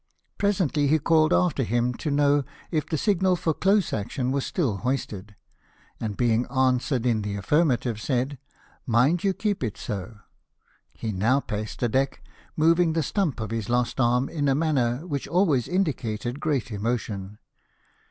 Presently he called after him, to know if the signal for close action was still hoisted; and being answered in the affirmative, said, " Mind you keep it so." He now paced the deck, moving the stump of his lost arm in a manner which always indicated great emotion.